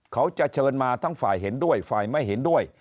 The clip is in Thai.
เขาจะเชิญมาทั้งฝ่ายเห็นด้วยฝ่ายไม่เห็นด้วย